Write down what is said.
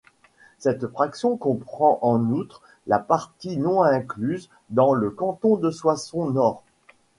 Cette fraction comprend en outre la partie non-incluse dans le canton de Soissons-Nord.